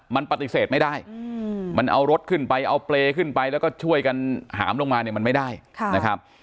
มันปฏิเสธไม่ได้มันเอารถขึ้นไปเอาเปรย์ขึ้นไปแล้วก็ช่วยกันหามลงมาเนี่ยมันไม่ได้นะครับ